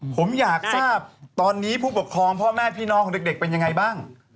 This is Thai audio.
ผมอยากทราบตอนนี้ผู้ปกครองพ่อแม่พี่น้องของเด็กเป็นยังไงบ้าง